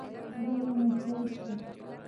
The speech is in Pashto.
ځکه مي هېر شو .